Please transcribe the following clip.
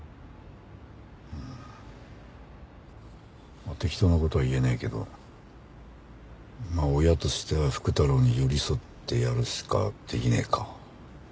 うーん適当な事は言えないけど親としては福太郎に寄り添ってやるしかできねえか。